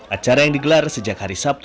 acara yang digelar sejak hari sabtu